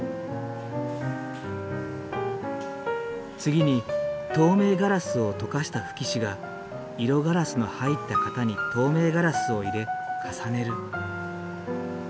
次に透明ガラスを溶かした吹き師が色ガラスの入った型に透明ガラスを入れ重ねる。